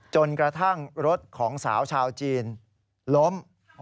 จนกระทั่งรถของสาวชาวจีนล้ม